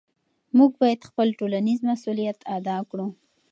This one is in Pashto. موږ باید خپل ټولنیز مسؤلیت ادا کړو.